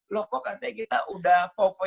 lo kok katanya kita udah empat